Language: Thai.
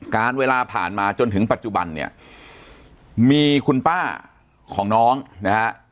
เวลาผ่านมาจนถึงปัจจุบันเนี่ยมีคุณป้าของน้องนะฮะ